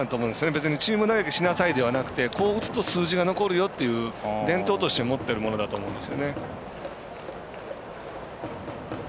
別にチーム内でしなさいではなくてこうしたら数字が残るよっていう伝統として持っているものだと思うんですよね。